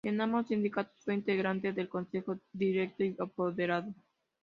En ambos sindicatos fue integrante del Consejo Directivo y apoderado.